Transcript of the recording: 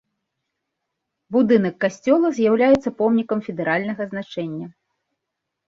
Будынак касцёла з'яўляецца помнікам федэральнага значэння.